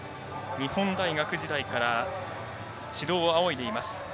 日本大学時代から指導を仰いでいます。